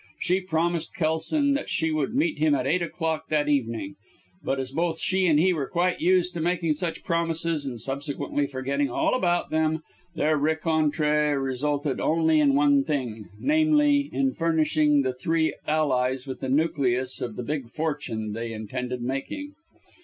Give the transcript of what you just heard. She promised Kelson that she would meet him at eight o'clock that evening; but as both she and he were quite used to making such promises and subsequently forgetting all about them, their rencontre resulted in only one thing, namely, in furnishing the three allies with the nucleus of the big fortune they intended making.